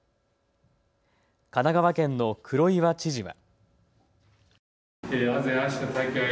神奈川県の黒岩知事は。